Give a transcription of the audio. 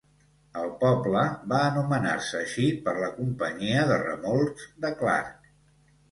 El poble va anomenar-se així per la companyia de remolcs de Clark.